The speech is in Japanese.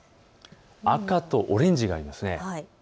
赤とオレンジがあります。